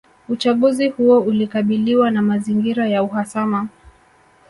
Uchaguzi huo ulikabiliwa na mazingira ya uhasama